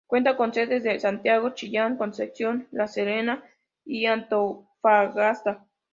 Cuenta con sedes en Santiago, Chillán, Concepción, La Serena y Antofagasta.